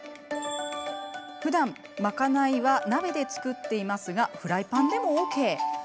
ふだん賄いは鍋で作っていますがフライパンでもＯＫ。